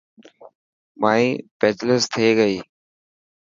مائي بيچلرز ٿي گئي.